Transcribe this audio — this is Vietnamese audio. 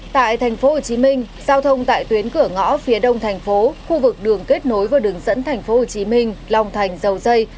tại tp hcm giao thông tại tuyến cửa ngõ phía đông thành phố khu vực đường kết nối với đường dẫn tp hcm long thành dầu dây